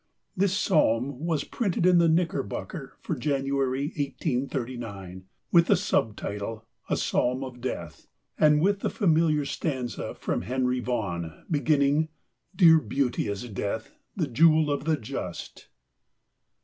This psalm was printed in the Knickerbocker for January, 1839, with the sub title A Psalm of Death, and with the familiar stanza from Henry Vaughan, beginning:—Dear beauteous death; the jewel of the just!